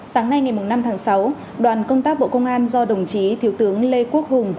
sáng nay ngày năm tháng sáu đoàn công tác bộ công an do đồng chí thiếu tướng lê quốc hùng